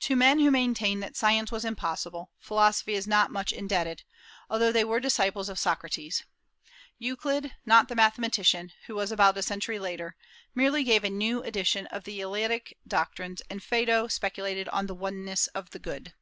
To men who maintained that science was impossible, philosophy is not much indebted, although they were disciples of Socrates. Euclid not the mathematician, who was about a century later merely gave a new edition of the Eleatic doctrines, and Phaedo speculated on the oneness of "the good."